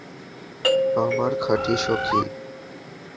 আমার খাঁটি সখী।